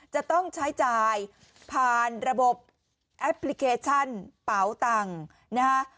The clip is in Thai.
จะต้องใช้จ่ายผ่านระบบแอปพลิเคชันเป๋าตังค์นะฮะ